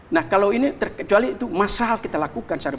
nah kalau ini terkecuali itu masal kita lakukan